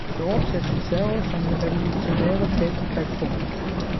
Dort setzte Serow seine revolutionäre Tätigkeit fort.